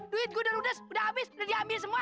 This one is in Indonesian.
duit gue udah ludes udah habis udah diambil semua